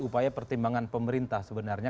upaya pertimbangan pemerintah sebenarnya